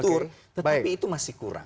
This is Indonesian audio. tetapi itu masih kurang